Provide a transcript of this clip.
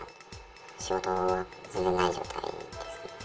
仕事全然ない状態ですね。